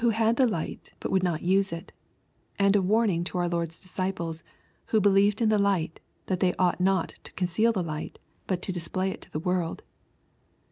41 had the light, but would not use it, — and a warning to our Lord's disciples, who believed in the light, that they ought not to con ceal the light, but display it to the world.